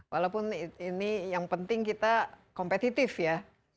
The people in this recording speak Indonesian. dan ini yang penting kita kompetitif ya